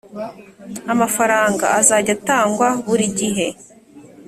amafaranga azajya atangwa buri gihe